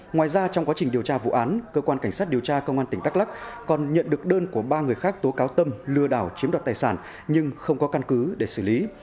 ngoài ra trong quá trình điều tra vụ án cơ quan cảnh sát điều tra công an tỉnh đắk lắc còn nhận được đơn của ba người khác tố cáo tâm lừa đảo chiếm đoạt tài sản nhưng không có căn cứ để xử lý